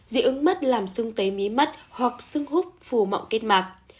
dị ứng mắt làm sưng tấy mí mắt hoặc sưng hút phù mọng kết mạc